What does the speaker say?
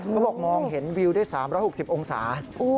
เขาบอกมองเห็นวิวได้๓๖๐องศา